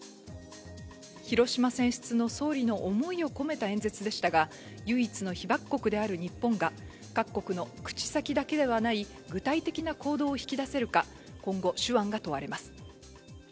広島選出の総理の思いを込めた演説でしたが、唯一の被爆国である日本が各国の口先だけではない具体的な行動を引き出せるか、今後、手腕が問われます。